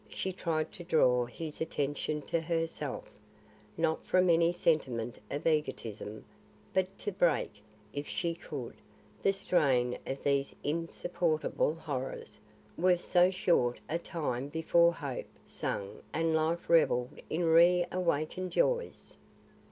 She tried to draw his attention to herself; not from any sentiment of egotism, but to break, if she could, the strain of these insupportable horrors where so short a time before Hope sang and Life revelled in re awakened joys.